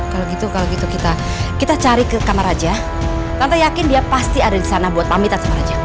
kalau gitu kalau gitu kita cari ke kamar raja tante yakin dia pasti ada disana buat pamitan sama raja